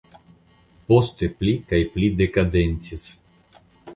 Poste pli kaj pli dekandecis.